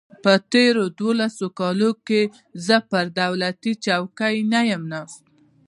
په تېرو دولسو کالو کې زه پر دولتي چوکۍ نه یم ناست.